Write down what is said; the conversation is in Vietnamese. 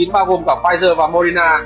bao gồm cả pfizer và moderna